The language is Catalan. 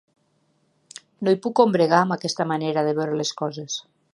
No hi puc combregar, amb aquesta manera de veure les coses.